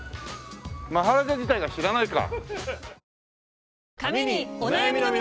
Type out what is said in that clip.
マハラジャ自体が知らないか。